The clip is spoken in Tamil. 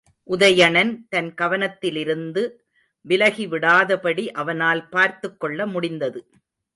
உதயணன் தன் கவனத்திலிருந்து விலகிவிடாதபடி அவனால் பார்த்துக் கொள்ள முடிந்தது.